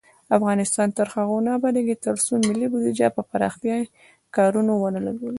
افغانستان تر هغو نه ابادیږي، ترڅو ملي بودیجه پر پراختیايي کارونو ونه لګیږي.